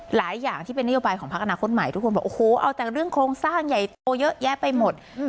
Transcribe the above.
หลายอย่างที่เป็นนโยบายของพักอนาคตใหม่ทุกคนบอกโอ้โหเอาแต่เรื่องโครงสร้างใหญ่โตเยอะแยะไปหมด